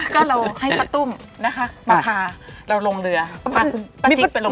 ก็เราให้ป้าตุ้มนะคะมาพาเราลงเรือพาคุณป้าจิ๊กไปลง